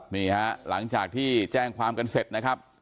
นี่ฮะหลังจากที่แจ้งความกันเสร็จนะครับ